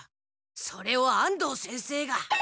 それを安藤先生が。